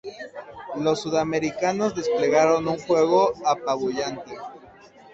Los sudamericanos desplegaron un juego apabullante.